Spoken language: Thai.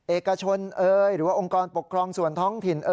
เอกชนหรือว่าองค์กรปกครองส่วนท้องถิ่น